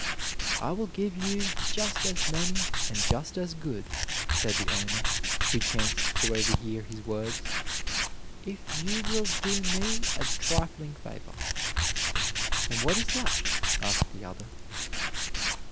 "I will give you just as many and just as good," said the owner, who chanced to overhear his words, "if you will do me a trifling favor." "And what is that?" asked the other.